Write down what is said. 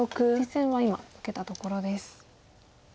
実戦は今受けたところです。